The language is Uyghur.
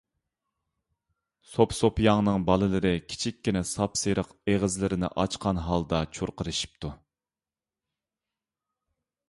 سوپىسوپىياڭنىڭ بالىلىرى كىچىككىنە ساپسېرىق ئېغىزلىرىنى ئاچقان ھالدا چۇرقىرىشىپتۇ.